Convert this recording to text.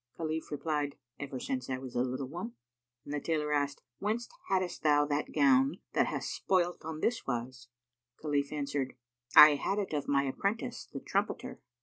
Khalif replied, "Ever since I was a little one;" and the tailor asked, "Whence hadest thou that gown thou hast spoilt on this wise?" Khalif answered, "I had it of my apprentice the trumpeter."